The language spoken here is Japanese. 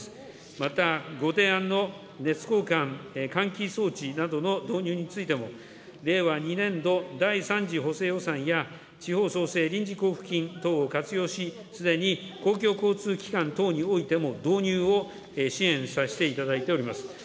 またご提案の熱交換換気装置などの導入についても、令和２年度第３次補正予算や、地方創生臨時交付金等を活用し、すでに公共交通機関等においても導入を支援させていただいております。